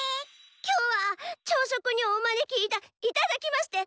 今日は朝食にお招きいた頂きましてまことに。